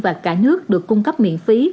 và cả nước được cung cấp miễn phí